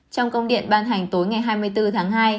trong công điện ban hành tối ngày hai mươi bốn tháng hai